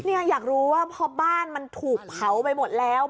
อยากรู้ว่าพอบ้านมันถูกเผาไปหมดแล้ว